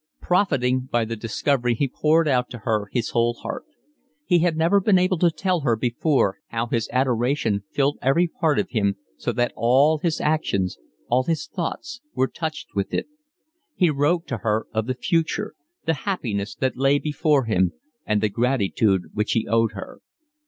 Profiting by the discovery he poured out to her his whole heart. He had never been able to tell her before how his adoration filled every part of him so that all his actions, all his thoughts, were touched with it. He wrote to her of the future, the happiness that lay before him, and the gratitude which he owed her.